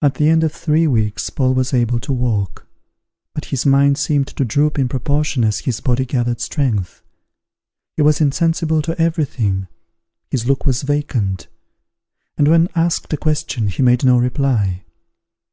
At the end of three weeks Paul was able to walk; but his mind seemed to droop in proportion as his body gathered strength. He was insensible to every thing; his look was vacant; and when asked a question, he made no reply.